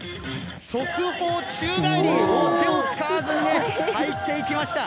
側方宙返り、手を使わずに入っていきました。